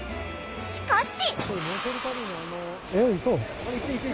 しかし。